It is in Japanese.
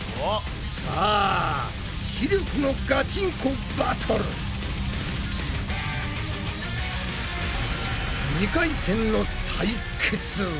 さあ知力のガチンコバトル！２回戦の対決は？